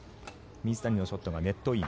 水谷のショットがネットイン。